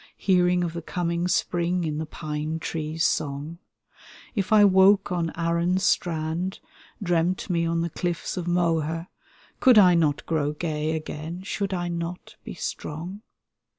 Hearing of the coming spring in the pine tree's song; If I woke on Arran Strand, dreamt me on the cliffs of Moher, Could I not grow gay again, should I not be strong?